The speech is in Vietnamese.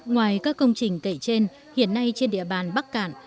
ngoài các công trình kể trên hiện nay trên địa bàn bắc cạn